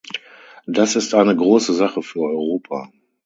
Das ist eine große Sache für Europa.